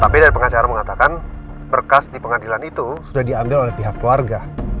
tapi dari pengacara mengatakan berkas di pengadilan itu sudah diambil oleh pihak keluarga